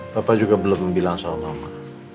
papa juga belum bilang sama mama